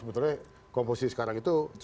sebetulnya komposisi sekarang itu